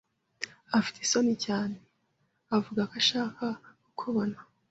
Afite isoni cyane. Avuga ko ashaka kukubona.